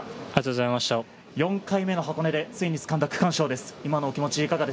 ４回目の箱根でついに掴んだ区間賞です。